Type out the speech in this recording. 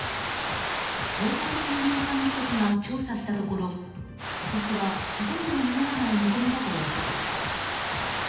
東北森林管理局が調査したところ今年は、ほとんど実らない見込みだということです。